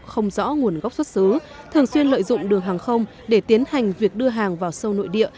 không rõ nguồn gốc xuất xứ thường xuyên lợi dụng đường hàng không để tiến hành việc đưa hàng vào sâu nội địa